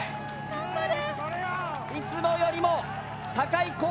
頑張れ！